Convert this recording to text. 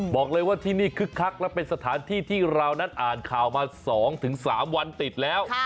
บอกเลยว่าที่นี่คึกคักและเป็นสถานที่ที่เรานั้นอ่านข่าวมา๒๓วันติดแล้ว